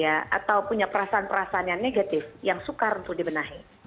atau punya perasaan perasaan yang negatif yang sukar untuk dibenahi